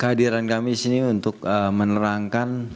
kehadiran saya di sini untuk menerangkan